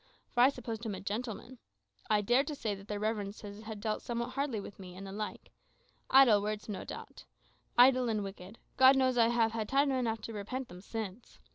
For I supposed him a gentleman. I dared to say that their reverences had dealt somewhat hardly with me, and the like. Idle words, no doubt idle and wicked. God knows, I have had time enough to repent them since.